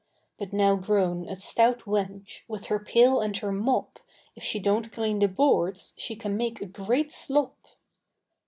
But now grown a stout wench, With her pail and her mop, If she donât clean the boards, She can make a great slop.